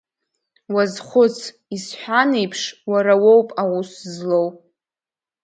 Уазхәыц, исҳәан еиԥш, уара уоуп аус злоу.